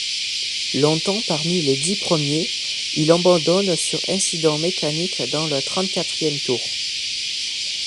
Longtemps parmi les dix premiers, il abandonne sur incident mécanique dans le trente-quatrième tour.